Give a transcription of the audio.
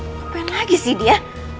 ngapain lagi sih dia